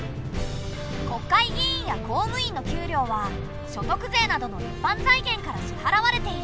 国会議員や公務員の給料は所得税などの一般財源から支払われている。